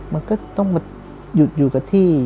มันก็ต้องมาอยู่กับที่